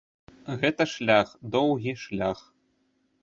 Гэта шлях, доўгі шлях.